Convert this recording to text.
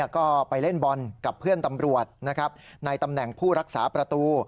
ก็ไปเล่นบอลกับเพื่อนตำรวจในตำแหน่งผู้รักษาประตู